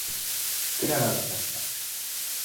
クララがたった。